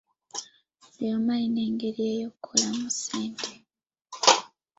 Buli omu alina engeri ye ey'okukolamu ssente.